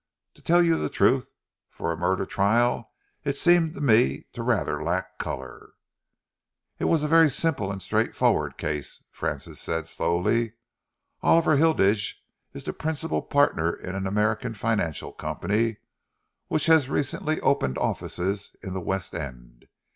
To tell you the truth, for a murder trial it seemed to me to rather lack colour." "It was a very simple and straightforward case," Francis said slowly. "Oliver Hilditch is the principal partner in an American financial company which has recently opened offices in the West End.